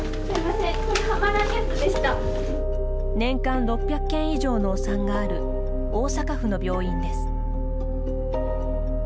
年間６００件以上のお産がある大阪府の病院です。